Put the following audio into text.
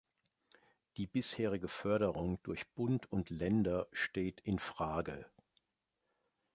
Die bisherige Förderung durch Bund und Länder steht infrage.